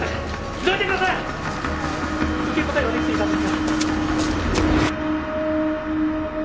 受け答えはできていたんですが